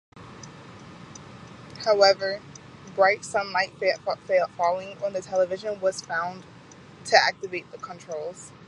However, bright sunlight falling on the television was found to activate the controls.